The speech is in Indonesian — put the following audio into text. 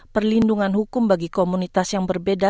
perlindungan hukum bagi komunitas yang berbeda